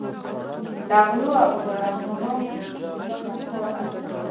له غلو او داړه مارانو څخه کار اخلي.